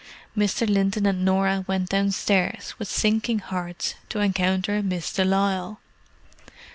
Mr. Linton and Norah went downstairs, with sinking hearts, to encounter Miss de Lisle.